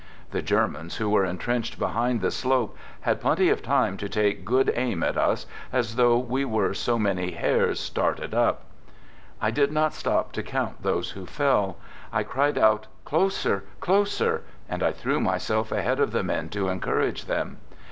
The Germans, who were entrenched be hind die slope, had plenty of time to take good aim at us as though we were so many hares started up. ... Digitized by H "THE GOOD SOLDIER I did not stop to count those who fell. I cried out: "Closer! Closer! "— and I threw myself ahead of the men to encourage them.